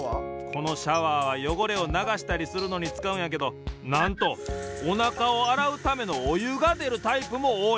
このシャワーはよごれをながしたりするのにつかうんやけどなんとおなかをあらうためのおゆがでるタイプもおおい。